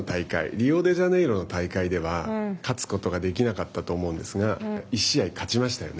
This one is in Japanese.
リオデジャネイロの大会では勝つことができなかったと思うんですが１試合、勝ちましたよね。